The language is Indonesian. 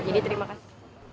jadi terima kasih